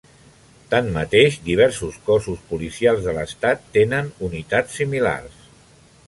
Tanmateix, diversos cossos policials de l'estat tenen unitats similars.